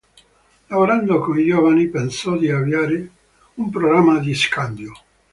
Lavorando con i giovani pensò di avviare un programma di scambio.